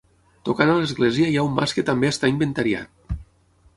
Tocant a l'església hi ha un mas que també està inventariat.